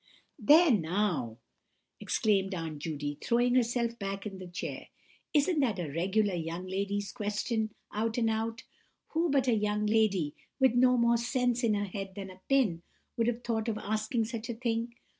"There now!" exclaimed Aunt Judy, throwing herself back in the chair, "isn't that a regular young lady's question, out and out? Who but a young lady, with no more sense in her head than a pin, would have thought of asking such a thing?